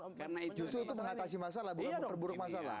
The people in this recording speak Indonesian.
justru itu mengatasi masalah bukan memperburuk masalah